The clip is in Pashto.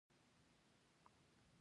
د ښارونو بې پلانه پراختیا ستونزه ده.